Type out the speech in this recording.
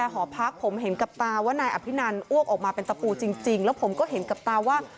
ใช่ครับจะมีสะโปอยู่ตรงตามแขนเขาอะ